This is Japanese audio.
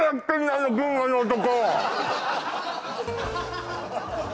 あの群馬の男